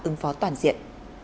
ứng phó toàn diện